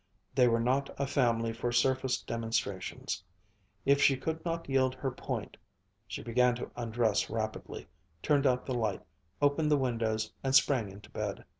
They were not a family for surface demonstrations. If she could not yield her point She began to undress rapidly, turned out the light, opened the windows, and sprang into bed.